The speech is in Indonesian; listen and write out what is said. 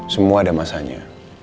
semua ada masanya